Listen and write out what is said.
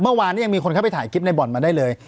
เมื่อวานนี้ยังมีคนเข้าไปถ่ายคลิปในบ่อนมาได้เลย